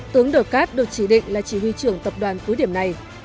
tướng đờ cát được chỉ định là chỉ huy trưởng tập đoàn cứ điểm này